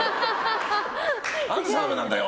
何で澤部なんだよ！